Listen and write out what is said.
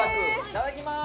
いただきます。